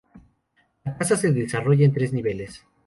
La casa se desarrolla en tres niveles.